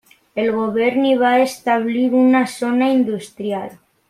El govern hi va establir una zona industrial.